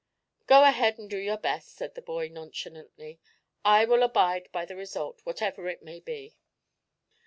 "Go ahead and do your best," said the boy, nonchalantly. "I will abide by the result, whatever it may be."